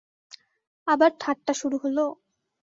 আবার ঠাট্টা শুরু হল?